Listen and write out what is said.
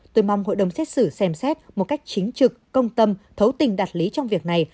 tôi mong hội đồng xét xử xem xét một cách chính trực công tâm thấu tình đạt lý trong việc này